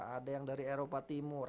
ada yang dari eropa timur